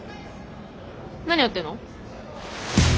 何やってんの？